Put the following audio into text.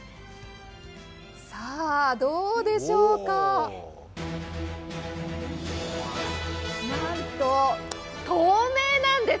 どうでしょうか、なんと透明なんです。